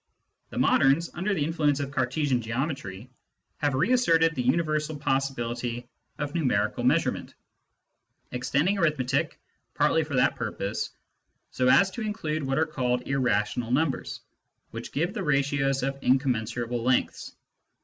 The moderns, under the influence of Cartesian geometry, have reasserted the universal possibility of numerical measurement, extending arithmetic, partly for that purpose, so as to include what are called " irrational " numbers, which give the ratios of incommensurable lengths.